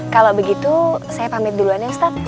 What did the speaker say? kalau begitu saya pamit duluan ya ustadz